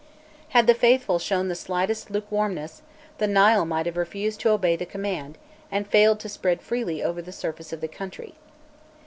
Had the faithful shown the slightest lukewarmness, the Nile might have refused to obey the command and failed to spread freely over the surface of the country.